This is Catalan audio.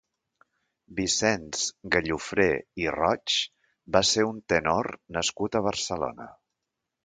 Vicenç Gallofré i Roig va ser un tenor nascut a Barcelona.